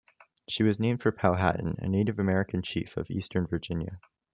She was named for Powhatan, a Native American chief of eastern Virginia.